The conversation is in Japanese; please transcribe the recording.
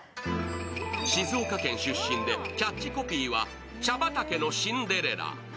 静岡県出身でキャッチコピーは「茶畑のシンデレラ」。